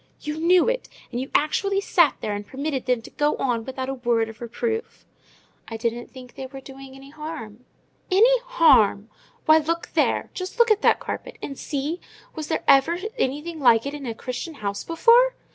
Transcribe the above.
"You knew it! and you actually sat there and permitted them to go on without a word of reproof!" "I didn't think they were doing any harm." "Any harm! Why, look there! Just look at that carpet, and see—was there ever anything like it in a Christian house before?